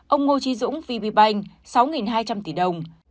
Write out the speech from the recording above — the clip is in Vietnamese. ông ngô trí dũng v b bank sáu hai trăm linh tỷ đồng